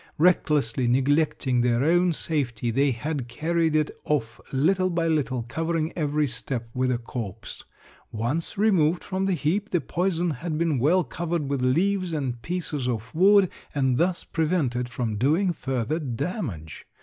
Recklessly neglecting their own safety, they had carried it off little by little, covering every step with a corpse. Once removed from the heap, the poison had been well covered with leaves and pieces of wood, and thus prevented from doing further damage.